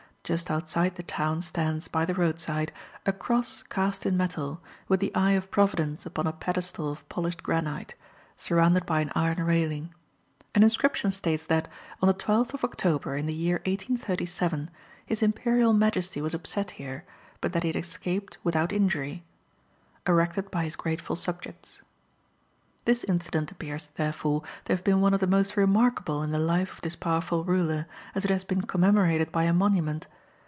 Just outside the town stands, by the roadside, a cross cast in metal, with the eye of Providence upon a pedestal of polished granite, surrounded by an iron railing. An inscription states that, on the 12th of October, in the year 1837, his imperial majesty was upset here, but that he had escaped without injury. "Erected by his grateful subjects." This incident appears, therefore, to have been one of the most remarkable in the life of this powerful ruler, as it has been commemorated by a monument.